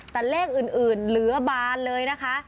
แต่เลขอื่นเหลือบานเลยนะคะ